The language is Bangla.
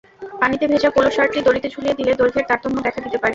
পানিতে ভেজা পোলো শার্টটি দড়িতে ঝুলিয়ে দিলে, দৈর্ঘ্যের তারতম্য দেখা দিতে পারে।